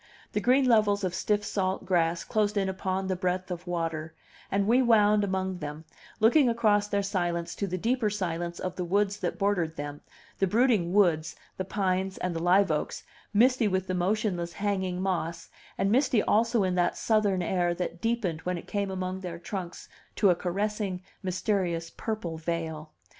The green levels of stiff salt grass closed in upon the breadth of water, and we wound among them, looking across their silence to the deeper silence of the woods that bordered them, the brooding woods, the pines and the liveoaks, misty with the motionless hanging moss, and misty also in that Southern air that deepened when it came among their trunks to a caressing, mysterious, purple veil.